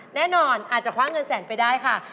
แน่นอนอาจจะคว้าเงินแสนไปได้ค่ะ